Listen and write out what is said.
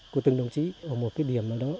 của từng đồng chí ở một cái điểm nào đó